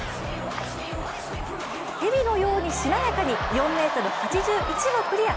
蛇のようにしなやかに４ｍ８１をクリア。